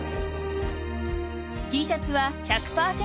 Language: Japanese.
［Ｔシャツは１００％